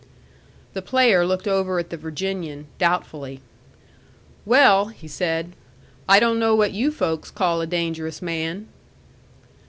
The player looked over at the Virginian, doubtfully. "Well," he said, "I don't know what you folks call a dangerous man."